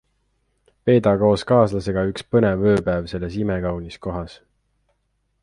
Veeda koos kaaslasega üks põnev ööpäev selles imekaunis kohas!